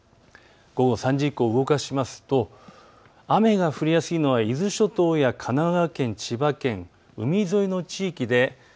午後３時以降動かしますと、雨が降りやすいのは伊豆諸島や神奈川県、千葉県、海沿いの地域で。